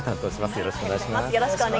よろしくお願いします。